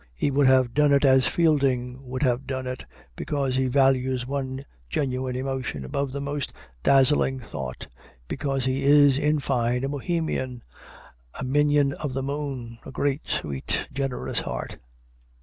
He would have done it as Fielding would have done it, because he values one genuine emotion above the most dazzling thought; because he is, in fine, a Bohemian, "a minion of the moon," a great, sweet, generous heart.